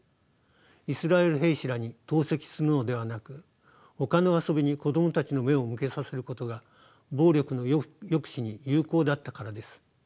イスラエル兵士らに投石するのではなくほかの遊びに子供たちの目を向けさせることが暴力の抑止に有効だったからです。